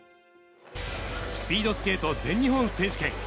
スピードスケート全日本選手権。